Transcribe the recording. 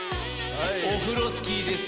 オフロスキーです。